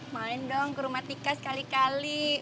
main dong ke rumah tika sekali kali